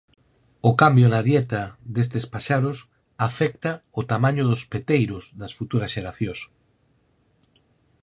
O cambio na dieta destes paxaros afecta ao tamaño dos peteiros das futuras xeracións.